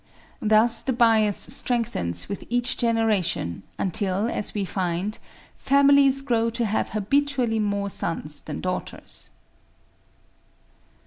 Thus the bias strengthens with each generation, until, as we find, families grow to have habitually more sons than daughters."